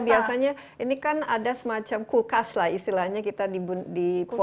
biasanya ini kan ada semacam kulkas lah istilahnya kita di